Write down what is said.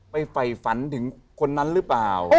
ไฟฝันถึงคนนั้นหรือเปล่า